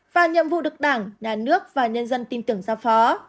và nhiệm vụ đực đảng nhà nước và nhân dân tin tưởng gia phó